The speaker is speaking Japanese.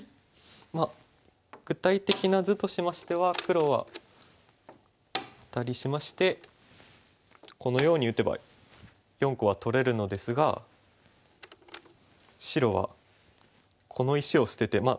まあ具体的な図としましては黒はアタリしましてこのように打てば４個は取れるのですが白はこの石を捨てて。